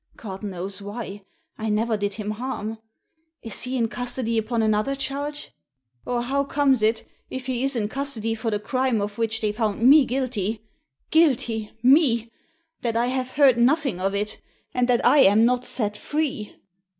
God knows why; I never did him harm. Is he in custody upon another charge? Or how comes it, if he is in custody for the crime of which they found me guilty — guilty! me! — that I have heard nothing of it, and that I am not set free?"